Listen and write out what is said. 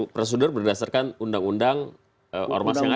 prosedur berdasarkan undang undang ormas yang ada